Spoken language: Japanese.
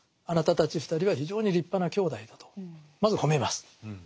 あなたたち２人は非常に立派な兄弟だとまず褒めます。